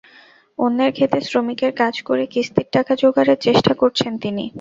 অন্যের খেতে শ্রমিকের কাজ করে কিস্তির টাকা জোগাড়ের চেষ্টা করছেন তিনি।